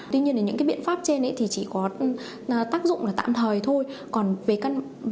tuy nhiên là những cái biện pháp trên thì chỉ có tác dụng là tạm thời thôi còn về cơ bản thì mình